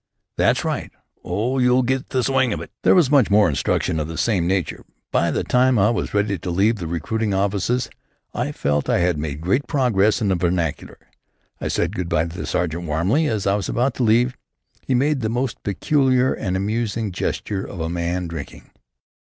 "That's right! Oh, you'll soon get the swing of it." There was much more instruction of the same nature. By the time I was ready to leave the recruiting offices I felt that I had made great progress in the vernacular. I said good bye to the sergeant warmly. As I was about to leave he made the most peculiar and amusing gesture of a man drinking.